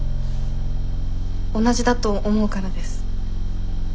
同じだと思うからです。